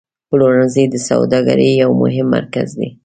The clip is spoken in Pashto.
پلورنځی د سوداګرۍ یو مهم مرکز دی.